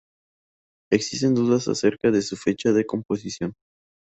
Existen dudas acerca de su fecha de composición.